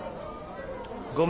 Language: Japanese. ごめん。